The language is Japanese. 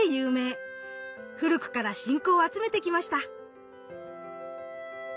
古くから信仰を集めてきました。